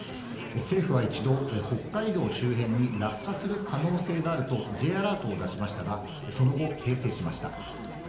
政府は一度、北海道周辺に落下する可能性があるとＪアラートを出しましたがその後、訂正しました。